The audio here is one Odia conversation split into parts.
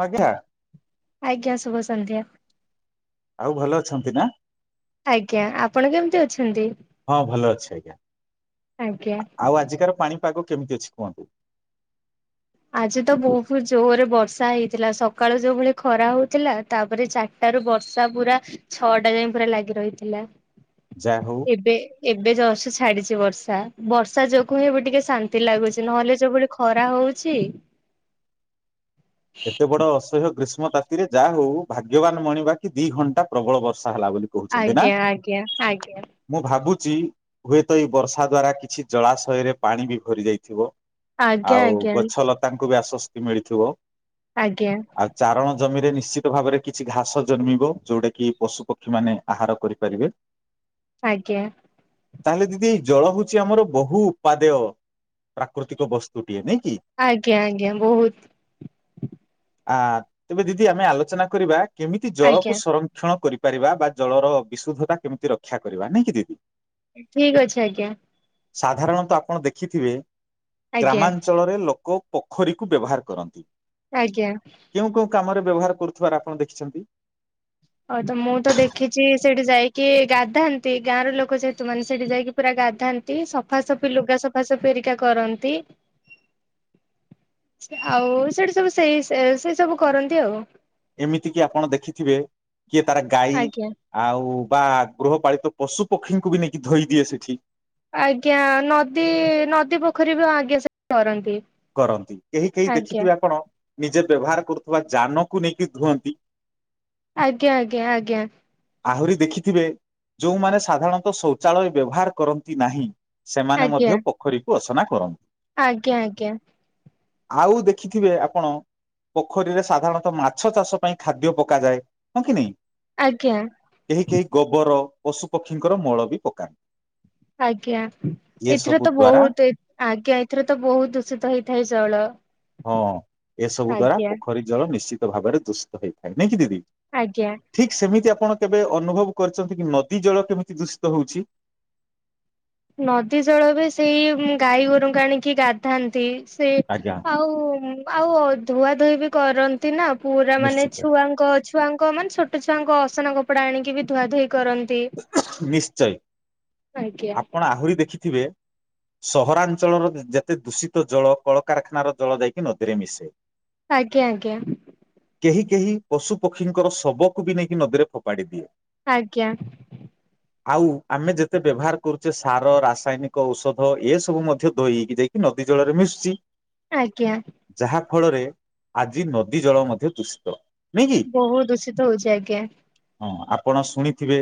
ହଁ ଆଜ୍ଞା ଆଜ୍ଞା ଶୁଭସନ୍ଧ୍ୟା। ଆଉ ଭଲ ଅଛନ୍ତି ନା ଆଜ୍ଞା ଆପଣ କେମିତି ଅଛନ୍ତି ହଁ ଭଲ ଅଛି ଆଜ୍ଞା। ଆଜ୍ଞା ଆଉ ଆଜିକାର ପାଣି ପାଗ କେମିତି ଅଛି କୁହନ୍ତୁ? ଆଜି ତ ବହୁତ ଜୋରରେ ବର୍ଷା ହେଇଥିଲା ସକାଳୁ ଯୋଉ ଭଳି ଖରା ହଉଥିଲା ତାପରେ ଚା ଟାରୁ ବର୍ଷା ପୁରା ଛଅଟା ଯାଏ ପୁରା ଲାଗି ରହିଥିଲା। ଯାହାହେଉ ଏବେ ଏବେ ଜଷ୍ଟ ଛାଡିଛି ବର୍ଷା। ବର୍ଷା ଯୋଗୁ ହିଁ ଏବେ ଟିକେ ଶାନ୍ତି ଲାଗୁଛି, ନହେଲେ ଯୋଉଭଳି ଖରା ହଉଛି। ଏତେ ବଡ ଅସହ୍ୟ ଗ୍ରୀଷ୍ମ ତାତିରେ ଯାହା ହଉ ଭାଗ୍ୟବାନ ମଣିବା କି ଦି ଘଣ୍ଟା ପ୍ରବଳ ବର୍ଷା ହେଲା ବୋଲି। କହୁଛନ୍ତି ନା ଆଜ୍ଞା ଆଜ୍ଞା ଆଜ୍ଞା ମୁଁ ଭାବୁଛି ହୁଏତ ଏଇ ବର୍ଷା ଦ୍ଵାରା କିଛି ଜଳାଶୟରେ ପାଣି ବି ଭରି ଯାଇଥିବ। ଆଜ୍ଞା ଆଉ ଆଜ୍ଞା ଗଛ ଲତାଙ୍କୁ ବି ଆଶ୍ଵସ୍ତି ମିଳିଥିବ। ଆଜ୍ଞା ଆଉ ଚାରଣ ଜମିରେ ନିଶ୍ଚିତ ଭାବରେ କିଛି ଘାସ ଜନ୍ମିବ, ଯୋଉଟା କି ପଶୁ ପକ୍ଷୀ ମାନେ ଆହାର କରିପାରିବେ। [inaudible] ଆଜ୍ଞା ତାହେଲେ ଦିଦି ଜଳ ହଉଛି ଆମର ବହୁ ଉପାଦେୟ ପ୍ରାକୃତିକ ବସ୍ତୁଟିଏ ନାଇଁ କି? ଆଜ୍ଞା ଆଜ୍ଞା ବହୁତ। ଆ ତେବେ ଦିଦି ଆମେ ଆଲୋଚନା କରିବା କେମିତି ଆଜ୍ଞା ଜଳକୁ ସର କ୍ଷଣ କରିପାରିବା ବା ଜଳର ବିଶୁଦ୍ଧତା କେମିତି ରକ୍ଷା କରିବା ନାଇଁ କି ଦିଦି। ଠିକ ଅଛି ଆଜ୍ଞା। ସାଧାରଣତଃ ଆପଣ ଦେଖିଥିବେ ଆଜ୍ଞା ଗ୍ରାମାଞ୍ଚଳ ରେ ଲୋକ ପୋଖରୀକୁୁ ବ୍ୟବହାର କରନ୍ତି। ଆଜ୍ଞା। କେଉଁ କେଉଁ କାମରେ ବ୍ୟବହାର କରୁଥିବାର ଆପଣ ଦେଖିଛନ୍ତି? ହଉ ତ ମୁଁ ତ ଦେଖିଛି ସେଇଠି ଯାଇକି ଗାଧାନ୍ତି ଗାଁ ର ଲୋକ ଯେହେତୁ ମାନେ ସେଠି ଯାଇକି ପୁରା ଗାଧାନ୍ତି ସଫାସଫି ଲୁଗା ସଫାସଫି ହେରିକା କରନ୍ତି। [inaudible] ଆଉ ସେଇଠି ସବୁ ସେଇ ସେଇ ସବୁ କରନ୍ତି ଆଉ। ଏମିତି କିି ଆପଣ ଦେଖିଥିବେ କିଏ ତାର ଗାଈ ଆଜ୍ଞା। ଆଉ ବା ଗୃହପାଳିତ ପଶୁ ପକ୍ଷୀଙ୍କୁ ବି ନେଇକି ଧୋଇ ଦିଏ ସେଠି। ଆଜ୍ଞା ନଦୀ ନଦୀ ପୋଖରୀ ବି ହଁ ଆଜ୍ଞା ସେ କରନ୍ତି। କରନ୍ତି କେହି କେହି ଆଜ୍ଞା। ଦେଖିଥିବେ ଆପଣ ନିଜେ ବ୍ୟବହାର କରୁଥିବା ଯାନକୁ ନେଇକି ଧୁଅନ୍ତି। ଆଜ୍ଞା ଆଜ୍ଞା ଆଜ୍ଞା। ଆହୁରି ଦେଖିଥିବେ ଯୋଉମାନେ ସାଧାରଣତଃ ଶୌଚାଳୟ ବ୍ୟବହାର କରନ୍ତି ନାହିଁ ସେମାନେ ଆଜ୍ଞା ମଧ୍ୟ ପୋଖରୀକୁ ଅସନା କରନ୍ତି। ଆଜ୍ଞା ଆଜ୍ଞା। ଆଉ ଦେଖିଥିବେ ଆପଣ ପୋଖରୀରେ ସାଧାରଣତଃ ମାଛ ଚାଷ ପାଇଁ ଖାଦ୍ୟ ପକାଯାଏ ହଁ କି ନାଇଁ ଆଜ୍ଞା। କେହି କେହି ଗୋବର ପଶୁ ପକ୍ଷୀଙ୍କର ମଳ ବି ପକାନ୍ତି। ଆଜ୍ଞା ଏ ଏଥିରେ ସବୁ ତ ଦ୍ଵାରା ବହୁତ ଆଜ୍ଞା ଏଥିରେ ତ ବହୁତ ଦୂଷିତ ହେଇଥାଏ ଜଳ। ହଁ ଏସବୁ ଦ୍ଵାରା ଆଜ୍ଞା ପୋଖରୀ ଜଳ ନିଶ୍ଚିତ ଭାବରେ ଦୁଷିତ ହେଇଥାଏ ନାଇଁ କି ଦିଦି। ଆଜ୍ଞା। ଠିକ ସେମିତି ଆପଣ କେବେ ଅନୁଭବ କରିଛନ୍ତି କି ନଦୀ ଜଳ କେମିତି ଦୂଷିତ ହଉଛି? ନଦୀ ଜଳ ବି ସେଇ ଗାଈ ଗୋରୁଙ୍କୁ ଆଣିକି ଗାଧାନ୍ତି ସେଇ ଆଜ୍ଞା। ଆଉ ଆଉ ଧୁଆ ଧୋଇ ବି କରନ୍ତି ନା ପୁରା ମାନେ ନିଶ୍ଚିତ ଛୁଆଙ୍କ ଛୁଆଙ୍କ ମାନେ ଛୋଟ ଛୁଆଙ୍କ ଅସନା କପଡା ଆଣିକି ବି ଧୁଆ ଧୋଇ କରନ୍ତ ନିଶ୍ଚୟ ଆଜ୍ଞା। ଆପଣ ଆହୁରି ଦେଖିଥିବେ ସହରାଞ୍ଚଳର ଯେତେ ଦୂଷିତ ଜଳ କଳକାରଖାନାର ଜଳ ଯାଇକି ନଦୀରେ ମିଶେ। ଆଜ୍ଞା ଆଜ୍ଞା। କେହି କେହି ପଶୁ ପକ୍ଷୀଙ୍କର ଶବକୁ ବି ନେଇକି ନଦୀରେ ଫୋପାଡି ଦିଏ। ଆଜ୍ଞା। ଆଉ ଆମେ ଯେତେ ବ୍ୟବହାର କରୁଛେ ସାର ରାସାୟନିକ ଔଷଧ ଏ ସବୁ ମଧ୍ୟ ଧୋଇ ହେଇକି ଯାଇକି ନଦୀ ଜଳରେ ମିଶୁଛି। ଆଜ୍ଞା। ଯାହା ଫଳରେ ଆଜି ନଦୀ ଜଳ ମଧ୍ୟ ଦୂଷିତ ନୁଁ କି? ବହୁତ ଦୂଷିତ ହୋଉଛି ଆଜ୍ଞା। ହଁ ଆପଣ ଶୁଣି ଥିବେ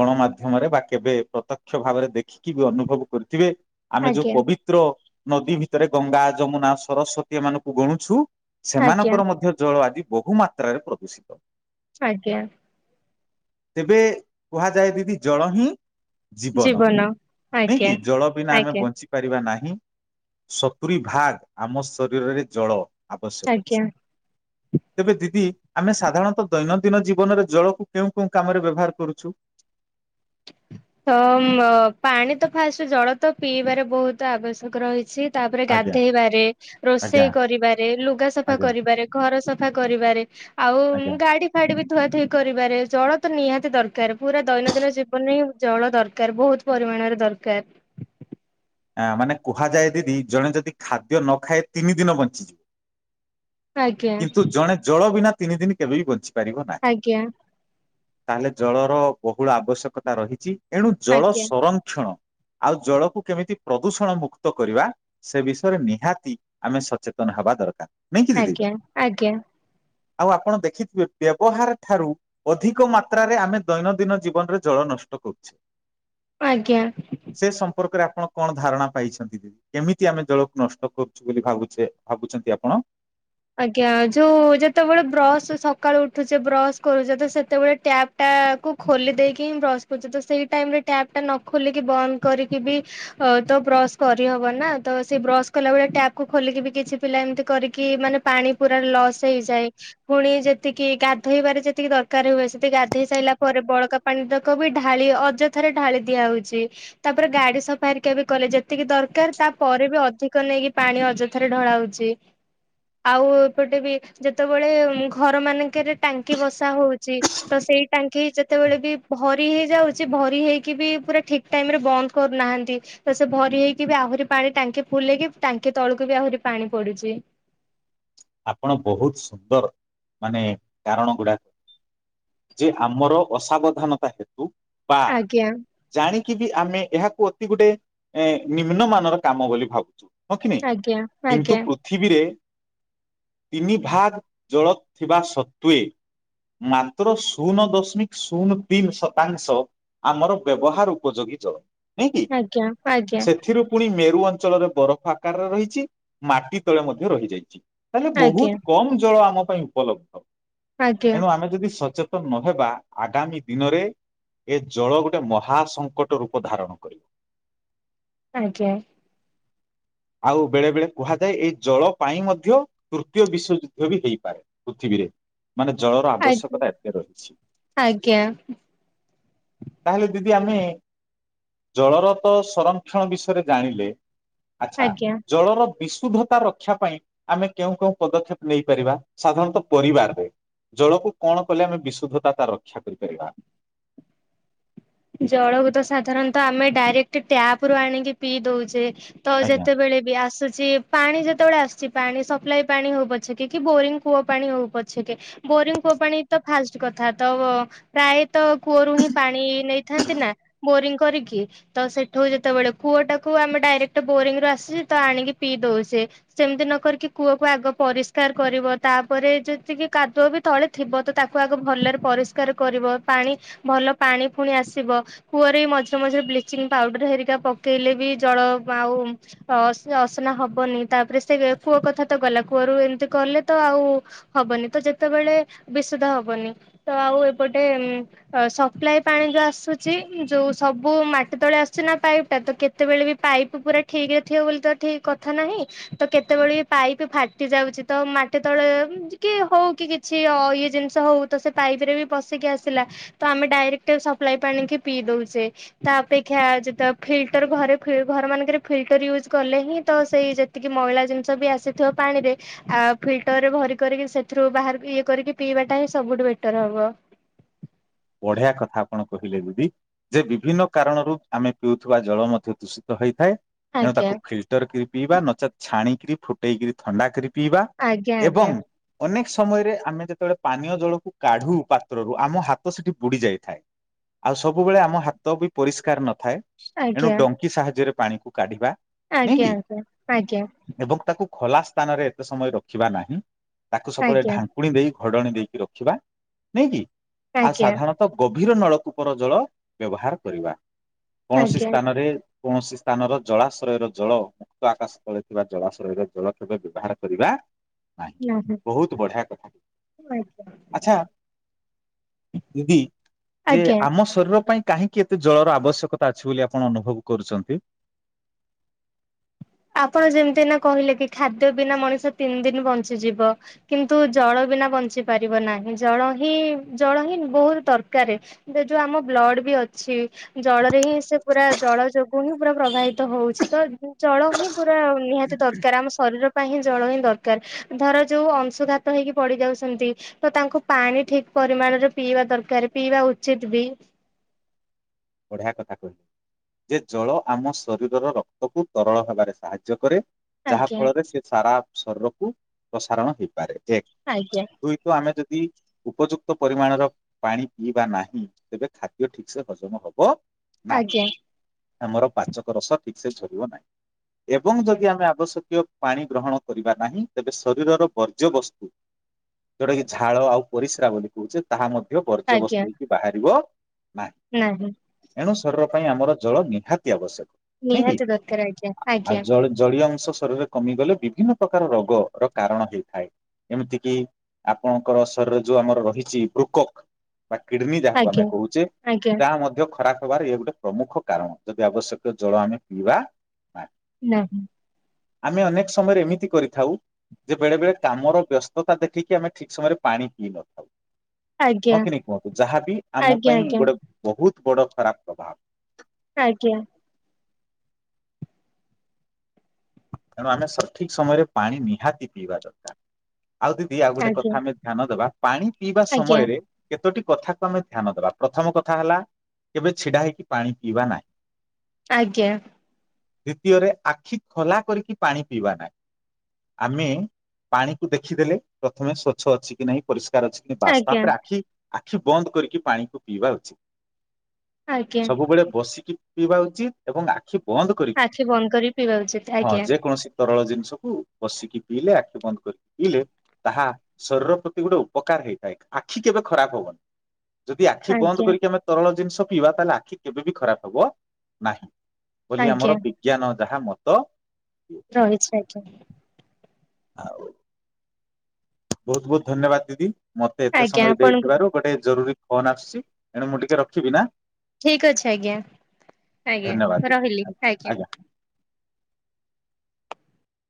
ଗଣମାଧ୍ୟମରେ ବା କେବେ ପ୍ରତ୍ୟକ୍ଷ ଭାବରେ ଦେଖିକି ବି ଅନୁଭବ କରିଥିବେ ଆମେ ଯୋଉ ଆଜ୍ଞା ପବିତ୍ର ନଦୀ ଭିତରେ ଗଙ୍ଗା ଯମୁନା ସରସ୍ଵତୀ ଏମାନାନଙ୍କୁ ଗଣୁଛୁ ଆଜ୍ଞା ସେମାନଙ୍କର ମଧ୍ୟ ଜଳ ଆଜି ବହୁ ମାତ୍ରାରେ ପ୍ରଦୂଷିତ। ଆଜ୍ଞା। ତେବେ କୁହାଯାଏ ଦିଦି ଜଳ ହିଁ ଜୀବନ ନାଇଁ ଆଜ୍ଞା କିି ଜଳ ବିନା ଆମେ ଆଜ୍ଞା ବଞ୍ଚି ପାରିବା ନାହିଁ ସତୁରି ଭାଗ ଆମ ଶରୀରରେ ଜଳ ଆବଶ୍ୟକ ଅଛି। ଆଜ୍ଞା। ତେବେ ଦିଦି ଆମେ ସାଧାରଣତଃ ଦୈନନ୍ଦିନ ଜୀବନରେ ଜଳକୁ କେଉଁ କେଉଁ କାମରେ ବ୍ୟବହାର କରୁ? ଛୁ ତ ଅମ ଅ ପାଣି ତ ଫାଷ୍ଟ ଜଳ ତ ପିଇବାରେ ବହୁତ ଆବଶ୍ୟକ ରହିଛି। ତାପରେ ଆଜ୍ଞା ଗାଧେଇବାରେ, ଆଜ୍ଞା ରୋଷେଇ କରିବାରେ, ଲୁଗା ସଫା ଆଜ୍ଞା କରିବାରେ ଘର ସଫା କରିବାରେ। ଆଉ ଆଜ୍ଞା ମୁଁ ଗାଡି ଫାଡି ବି ଧୁଆ ଧୋଇ କରିବାରେ ଜଳ ତ ନିହାତି ଦରକାର ପୁରା ଦୈନନ୍ଦିନ ଜୀବନରେ ହିଁ ଜଳ ଦରକାର ବହୁତ ପରିମାଣରେ ଦରକାର। ଆ ମାନେ କୁହାଯାଏ ଦିଦି ଜଣେ ଯଦି ଖାଦ୍ୟ ନ ଖାଏ ତିନି ଦିନ ବଞ୍ଚିଯିବ। ଆଜ୍ଞା କିନ୍ତୁ ଜଣେ ଜଳ ବିନା ତିନି ଦିନ କେବେ ବି ବଞ୍ଚି ପାରିବ ନାହିଁ। ଆଜ୍ଞା। ତାହେଲେ ଜଳର ବହୁଳ ଆବଶ୍ୟକତା ରହିଛି। ଏଣୁ ଜଳ ଆଜ୍ଞା ସଂରକ୍ଷଣ ଆଉ ଜଳକୁ କେମିତି ପ୍ରଦୂଷଣ ମୁକ୍ତ କରିବା ସେ ବିଷୟରେ ନିହାତି ଆମେ ସଚେତନ ହେବା ଦରକାର। ନେଇକି ଦିଦି? ଆଜ୍ଞା ଆଜ୍ଞା ଆଉ ଆପଣ ଦେଖିଥିବେ ବ୍ୟବହାର ଠାରୁ ଅଧିକ ମାତ୍ରାରେ ଆମେ ଦୈନନ୍ଦିନ ଜୀବନରେ ଜଳ ନଷ୍ଟ କରୁଛେ। ଆଜ୍ଞା। ସେ ସମ୍ପର୍କରେ ଆପଣ କଣ ଧାରଣା ପାଇଛନ୍ତି ଦିଦି, କେମିତି ଆମେ ଜଳକୁ ନଷ୍ଟ କରୁଛୁ ବୋଲି ଭାବୁଛେ ଭାବୁଛନ୍ତି ଆପଣ? ଆଜ୍ଞା ଯୋଉ ଯେତେବେଳେ ବ୍ରସ୍ ସକାଳୁ ଉଠୁଚେ ବ୍ରସ୍ କରୁଛେ ତ ସେତେବେଳେ ଟ୍ୟାପ ଟା କୁ ଖୋଲି ଦେଇକି ହିଁ ବ୍ରସ କରୁଚେ ତ ସେଇ ଟାଇମ ରେ ଟ୍ୟାପ ଟା ନ ଖୋଲିକି ବନ୍ଦ କରିକି ବି ଅ ତ ବ୍ରସ୍ କରିହବ ନା ତ ସେ ବ୍ରସ କଲାବେଳେ ଟ୍ୟାପକୁୁ ଖୋଲିକି ବି କିଛି ପିଲା ଏମିତି କରିକି ମାନେ ପାଣି ପୁରା ଲସ୍ ହେଇଯାଏ। ପୁଣି ଯେତିକି ଗାଧୋଇବାରେ ଯେତିକି ଦରକାର ହୁଏ ସେତିକି ଗାଧୋଇ ସାରିଲା ପରେ ବଳକା ପାଣି ତାକ ବି ଢାଳି ଅଯଥାରେ ଢାଳି ଦିଆହଉଛି। ତାପରେ ଗାଡି ସଫା ହେରିକା ବି କଲେ ଯେତିକି ଦରକାର ତାପରେ ବି ଅଧିକ ନେଇକି ପାଣି ଅଯଥାରେ ଢଳାହଉଛି। ଆଉ-ଉ ଏପଟେ ବି ଯେତେବେଳେ, ଉଁ ଘର ମାନଙ୍କରେ ଟାଙ୍କି ବସା ହଉଛି ତ ସେଇ ଟାଙ୍କି ଯେତେବେଳେ ବି ଭରି ଭରି ହେଇଯାଉଛି ଭରି ହେଇକି ବି ପୁରା ଠିକ୍ ଟାଇମ ରେ ବନ୍ଦ୍ କରୁନାହାନ୍ତି। ତ ସେ ଭରି ହେଇକି ବି ଆହୁରି ପାଣି ଟାଙ୍କି ଫୁଲହେଇକି ଟାଙ୍କି ତଳକୁ ବି ଆହୁରି ପାଣି ପଡ଼ୁଛି। ଆପଣ ବହୁତ ସୁନ୍ଦର ମାନେ କାରଣ ଗୁଡ଼ାକ ଯେ ଆମର ଅସାବଧାନତା ହେତୁ ବା ଆଜ୍ଞା ଜାଣିକି ବି ଆମେ ଏହାକୁ ଅତି ଗୋଟେ ଏଁ ନିମ୍ନମାନର କାମ ବୋଲି ଭାବୁଛନ୍ତି। ହଁ କି ନାଇଁ? ଆଜ୍ଞା କିନ୍ତୁ ଆଜ୍ଞା ପୃଥିବୀରେ ତିନି ଭାଗ୍ ଜଳ ଥିବା ସତ୍ୱେ ମାତ୍ର ଶୂନ ଦଶମିକ ଶୂନ ତିନି ଶତାଂଶ ଆମର ବ୍ୟବହାର ଉପଯୋଗୀ ଜଳ ନାଇଁ କି? ଆଜ୍ଞା ଆଜ୍ଞା ସେଥିରୁ ପୁଣି ମେରୁ ଅଞ୍ଚଳରେ ବରଫ ଆକାରରେ ରହିଛି ମାଟି ତଳେ ମଧ୍ୟ ରହିଯାଇଛି। ତାହେଲେ ଆଜ୍ଞା ବହୁତ କମ ଜଳ ଆମ ପାଇଁ ଉପଲବ୍ଧ। ଆଜ୍ଞା ଏଣୁ ଆମେ ଯଦି ସଚେତନ ନହେବା ଆଗାମୀ ଦିନରେ ଏ ଜଳ ଗୋଟେ ମହାସଙ୍କଟ ରୂପ ଧାରଣ କରିବ। ଆଜ୍ଞା। ଆଉ ବେଳେ ବେଳେ କୁହାଯାଏ ଏଇ ଜଳ ପାଇଁ ମଧ୍ୟ ୟ ତୃତୀୟ ବିଶ୍ଵଯୁଦ୍ଧ ବି ହେଇପାରେ ପୃଥିବୀରେ। ମାନେ ଜଳର ଆଜ୍ଞା ଆବଶ୍ୟକତା ଏତେ ରହିଛି। ଆଜ୍ଞା ତାହେଲେ ଦିଦି ଆମେ ଜଳରତ ସଂରକ୍ଷଣ ବିଷୟରେ ଜାଣିଲେ। ଆଚ୍ଛା। ଆଜ୍ଞା ଜଳର ବିଶୁଦ୍ଧତା ରକ୍ଷା ପାଇଁ ଆମେ କେଉଁ କେଉଁ ପଦକ୍ଷେପ ନେଇପାରିବା ସାଧାରଣତଃ ପରିବାରରେ? ଜଳକୁ କଣ କଲେ ଆମେ ବିଶୁଦ୍ଧତା ତ ରକ୍ଷା କରିପାରିବା। ଜଳକୁ ତ ସାଧାରଣତଃ ଆମେ ଡାଇରେକ୍ଟ ଟ୍ୟାପ ରୁ ଆଣିକି ପିଇ ଦଉଛେ। ତ ଆଜ୍ଞା। ଯେତେବେଳେ ବି ଆସୁଛି ପାଣି ଯେତେବେଳେ ଆସିୁଛି। ପାଣି ସପ୍ଲାଇ ପାଣି ହଉ ପଛେକେ କି ବୋରିଙ୍ଗ କୂଅ ପାଣି ହଉ ପଛେକେ ବୋରିଂ କୂଅ ପାାଣି ତ ଫାଷ୍ଟ କଥା ତ ପ୍ରାୟତଃ କୂଅରୁ ହିଁ ପାଣି ନେଇଥାନ୍ତି ନା ବୋରିଂ କରିକି। ତ ସେଠୁ ଯେତେବେଳେ କୂଅଟାକୁ ଆମେ ଡାଇରେକ୍ଟ ବୋରିଂ ରୁ ଆସୁଛି ତ ଆଣିକି ପିଇ ଦଉ ଛେ ସେମିତି ନ କରିକି କୂଅକୁ ଆଗ ପରିଷ୍କାର କରିବ ତାପରେ ଯେତିକି କାଦୁଅ ବି ତଳେ ଥିବ ତ ତାକୁ ଆଗ ଭଲରେ ପରିଷ୍କାର କରିବ। ପାଣି ଭଲ ପାଣି ଫୁଣି ଆସି ଥିବ କୂଅରେ ମଝିରେ ମଝିରେ ବ୍ଲିଚିଂ ପାଉଡର ହେରିକା ପକେଇଲେ ବି ଜଳ ଆଉ ଅ ସେ ଅସନା ହବନି ତାପରେ ସେ କୂଅ କଥା ତ ଗଲା କୂଅରୁ ଏମିତି କଲେ ତ ଆଉ ହବନି ତ ଯେତେବେଳେ ବିଶୁଧ ହବନି। ତ ଆଉ ଏପଟେ ସପ୍ଲାଇ ପାଣି ଯୋଉ ଆସେ ଆ ଯୋଉ ସବୁ ମାଟି ତଳେ ଆସୁଛି ନା ପାଇପ୍ ଟା ତ କେତେବେଳେ ବି ପାଇପ୍ ଉପରେ ଠିକ୍ ରେ ଥିବ ବୋଲି ତ ଠିକ କଥା ନାହିଁ ତ କେତେବେଳେ ପାଇପ୍ ଫାଟି ଯାଉଛି ତ ମାଟି ତଳେ କି ହଉ କି କି କିଛି ଇଏ ଜିନିଷ ହଉ ତ ସେ ପାଇପ ରେ ବି ପଶିକି ଆସିଲା ତ ଆମେ ଡାଇରେକ୍ଟ ସପ୍ଲାଇ ପାଣିିକେ ପିଇ ଦଉଛେ। ତା ଅପେକ୍ଷା ଯେ ଫିଲଟର ଘରେ ଘର ମାନଙ୍କରେ ଫିଲ୍ଟର ୟୁଜ୍ କଲେ ହିଁ ତ ସେଇ ଏତିକି ମଇଳା ଜିନିଷ ବି ଆସିଥିବ ପାଣିରେ ଆ ଫିଲ୍ଟର ରେ ଭରି କରିକି ସେଥିରୁ ବାହାର ଇଏ କରିକି ପିଇବାଟା ହିଁ ସବୁଠୁ ବେଟର୍ ହେବ। ବଢିଆ କଥା ଆପଣ କହିଲେ ଦିଦି। ଯେ ବିଭିନ୍ନ କାରଣରୁ ଆମେ ପିଉଥିବା ଜଳ ମଧ୍ୟ ଦୂଷିତ ହୋଇଥାଏ। ଏଣୁ ତାକୁ ଆଜ୍ଞା ଫିଲଟର କରି ପିଇବା। ନଚେତ୍ ଛାଣିକିରି ଫୁଟେଇକ ଥଣ୍ଡା କରିି ପିଇବା ଆଜ୍ଞା ଏବଂ ଆଜ୍ଞା ଅନେକ ସମୟରେ ଆମେ ଯେତେବେଳେ ପାନୀୟ ଜଳକୁ କାଢୁ ପାତ୍ରରୁ ଆମ ହାତ ସେଠି ବୁଡି ଯାଇଥାଏ। ଆଉ ସବୁବେଳେ ଆମ ହାତ ବି ପରିଷ୍କାର ନଥାଏ। ଏଣୁ ଆଜ୍ଞା ଡ କି ସାହାଯ୍ୟରେ ପାଣିକୁ କାଢିବା ନାଇ ଆଜ୍ଞା କି ଆଜ୍ଞା ଏବଂ ତାକୁ ଖୋଲା ସ୍ଥାନରେ ଏତେ ସମୟ ରଖିବା ନାହିଁ। ତାକୁ ସବୁବେଳେ ଢା ଆଜ୍ଞା ପୁଣି ଦେଇ ଘଡଣି ଦେଇକି ରଖିବା ନାଇକି ଆ ଆଜ୍ଞା ଆଜ୍ଞା ସାଧାରଣ ଗଭୀର ନଳକୂପର ଜଳ ବ୍ୟବହାର କରିବା। କୌଣସି ଆଜ୍ଞା ସ୍ଥାନରେ କୌଣସି ସ୍ଥାନର ଜଳାଶ୍ରୟର ଜଳ ଭକ୍ତ ଆକାଶ ତଳେ ଥିବା ଜଳାଶୟରେ ଜଳ କେବେ ବ୍ୟବହାର କରିବା ନାହିଁ। ବହୁତ ବଢିଆ କଥା। ଆଜ୍ଞା ଆଛା ଦିଦି ଯେ ଆଜ୍ଞା ଆମ [unintelligible] ପାଇଁ କାହିଁକି ଏତେ ଜଳର ଆବଶ୍ୟକତା ଅଛି ବୋଲି ଆପଣ ଅନୁଭବ କରୁଛନ୍ତି? ଆପଣ ଯେମିତି ଏନା କହିଲେ କି ଖାଦ୍ୟ ବିନା ମଣିଷ ତିନି ଦିନ ବଞ୍ଚିଯିବ। କିନ୍ତୁ ଜଳ ବିନା ବଞ୍ଚି ପାରିବ ନାହିଁ। ଜଳ ହିଁ ଜଳ ହିଁ ବହୁତ ଦରକାରେ। ସେ ଯୋଉ ଆମ ବ୍ଲଡ ବି ଅଛି। ଜଳରେ ହିଁ ସେ ପୁରା ଜଳ ଯୋଗୁଁ ହିଁ ପୁରା ପ୍ରବାହିତ ହଉଛି ତ ଜଳ ହିଁ ପୁରା ନିହାତି ଦରକାର ଆମ ଶରୀର ପାଇଁ ହିଁ ଜଳ ହିଁ ଦରକାର। ଧର ଯୋଉ ଅଂଶୁଘାତ ହେଇକି ପଡି ଯାଉଛନ୍ତି ତ ତାଙ୍କୁ ପାଣି ଠିକ ପରିମାଣରେ ପିଇବା ଦରକାର ପିଇବା ଉଚିତ ବି। ବଢିଆ କଥା କହିଲ। ଯେ ଜଳ ଆମ ଶରୀରର ରକ୍ତକୁ ତରଳ ହେବାରେ ସାହାଯ୍ୟ କରେ। ଯାହା ଆଜ୍ଞା ଫଳରେ ସେ ସାରା ଶରୀରକୁ ପ୍ରସାରଣ ହେଇପାରେ ଏକ ଆଜ୍ଞା। ଦୁଇ ତ ଆମେ ଯଦି ଉପଯୁକ୍ତ ପରିମାଣର ପାଣି ପିଇବା ନାହିଁ ତେବେ ଖାଦ୍ୟ ଠିକସେ ହଜମ ହବ ହବ ନାହିଁ ଆଜ୍ଞା ଆମର ପାଚକ ରସ ଠିକ ସେ ଝରିବ ନାହିଁ। ଏବଂ ଯଦି ଆମେ ଆବଶ୍ୟକୀୟ ପାଣି ଗ୍ରହଣ କରିବା ନାହିଁ ତେବେ ଶରୀରର ବର୍ଜ୍ୟ ବସ୍ତୁ ଯୋଉଟା କି ଝାଳ ଆଉ। ପରିସ୍ରା ବୋଲି କହୁଛେ ତାହା ମଧ୍ୟ ଆଜ୍ଞା ବର୍ଜ୍ୟବସ୍ତୁ ହେଇକି ବାହାରିବ ନାହିଁ। ନାହିଁ। ଏଣୁ ଶରୀର ପାଇଁ ଆମର ଜଳ ନିହାତି ଆବଶ୍ୟକ। ନ। କି ନିହାତି ଦରକାର ଆଜ୍ଞା ଆଜ୍ଞା ଆଉ ଜ ଜଳୀୟ ଅଂଶ ଶରୀରେ କମିଗଲେ ବିଭିନ୍ନ ପ୍ରକାର ରୋଗର କାରଣ ହେଇଥାଏ। ଏମିତି କିି ଆପଣଙ୍କର ଶରୀର ଯୋଉ ଆମର ରହିଛି ବୃକକ୍। ବା କିଡନୀ ଯାହାକୁ ଆଜ୍ଞା ଆମେ କହୁଛେ। ଆଜ୍ଞା। ତାହା ମଧ୍ୟ ଖରାପ ହବାର ଇଏ ଗୋଟେ ପ୍ରମୁଖ କାରଣ ଯଦି ଆବଶ୍ୟକୀୟ ଜଳ ଆମେ ପିଇବା ନାହିଁ। ନାହି। ଆମେ ଅନେକ ସମୟରେ ଏମିତି କରିଥାଉ। ଯେ ବେଳେ ବେଳେ କାମର ବ୍ୟସ୍ତତା ଦେଖିକି ଆମେ ଠିକ ସମୟରେ ପାଣି ପିଇ ନଥାଉ। ଆଜ୍ଞା ହଁ କି ନି କୁହନ୍ତୁ ଯାହାବି ଆମ ଆଜ୍ଞା ପାଇଁ ଗୋଟେ ବହୁତ ବଡ ଖରାପ ପ୍ରଭାବ। ଆଜ୍ଞା। ତେଣୁ ଆମେ ସଠିକ ସମୟରେ ପାଣି ନିହାତି ପିଇବା ଦରକାର ଆଉ ଦି ବି ଆଉ ଗୋଟେ ଆଜ୍ଞା କଥା ଆମେ ଧ୍ୟାନ ଦେବା ପାଣି ପିଇବା ଆଜ୍ଞା ସମୟରେ କେତୋଟି କଥାକୁ ଆମେ ଧ୍ୟାନ ଦବା ପ୍ରଥମ କଥା ହେଲା କେବେ ଛିଡା ହେଇକି ପାଣି ପିଇବା ନାହିଁ। ଆଜ୍ଞା। ଦୁତୀୟରେ ଆଖି ଖୋଲା କରିକି ପାଣି ପିଇବା ନାହିଁ। ଆମେ ପାଣିକୁ ଦେଖିଦେଲେ ପ୍ରଥମେ ସ୍ଵଚ୍ଛ ଅଛି କି ନାହିଁ ପରିଷ୍କାର ଅଛି। ବାସ୍ ଆଜ୍ଞା ତାପରେ ଆଖି ଆଖି ବନ୍ଦ କରିକି ପାଣିକୁ ପିଇବା ଉଚିତ। ଆଜ୍ଞା ସବୁବେଳେ ବସିକି ପିଇବା ଉଚିତ ଏବଂ ଆଖି ବନ୍ଦ କରି ଆଖି ବନ୍ଦ କରି ପିଇବା ଉଚିତ। ହଁ ଆଜ୍ଞା ଯେକୌଣସି ତରଳ ଜିନିଷକୁ ବସିକି ପିଇଲେ ଆଖି ବନ୍ଦ କରିକି ପିଇଲେ ତାହା ଶରୀର ପ୍ରତି ଗୋଟେ ଉପକାର ହେଇଥାଏ ଆଖି କେବେ ଖରାପ ହବନି। ଯଦି ଆଖି ବନ୍ଦ ଆଜ୍ଞା କରିକି ଆମେ ତରଳ ଜିନିଷ ପିଇବା ତାହେଲେ ଆଖି କେବେ ବିି ଖରାପ ହବ ନାହିଁ। ବୋଲି ଆମର ଆଜ୍ଞା ବିଜ୍ଞାନ ଯାହା ମତ ଜାଣିଛି ଆଜ୍ଞା। ଆଉ ବହୁତ ବହୁତ ଧନ୍ୟବାଦ ଦିଦି ମତେ ଏତେ ଆଜ୍ଞା ସମୟ ଆପଣଙ୍କୁ ଦେଇଥିବାରୁ ଗୋଟେ ଜରୁରୀ ଫୋନ୍ ଆସୁଛି ଏଣୁ ମୁଁ ଟିକେ ରଖିବି ନା! ଠିକ ଅଛି ଆଜ୍ଞା ଧନ୍ୟବାଦ ଆଜ୍ଞା ରହିଲି ଦିଦି ଆଜ୍ଞା।